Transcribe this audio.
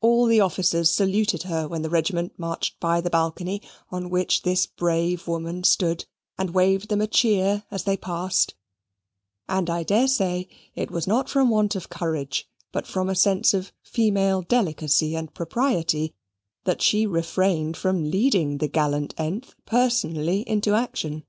All the officers saluted her when the regiment marched by the balcony on which this brave woman stood, and waved them a cheer as they passed; and I daresay it was not from want of courage, but from a sense of female delicacy and propriety, that she refrained from leading the gallant th personally into action.